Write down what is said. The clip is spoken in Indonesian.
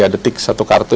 tiga detik satu kartu